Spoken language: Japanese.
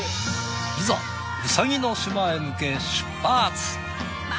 いざウサギの島へ向け出発。